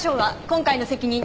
今回の責任